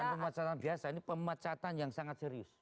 ini pemecatan biasa ini pemecatan yang sangat serius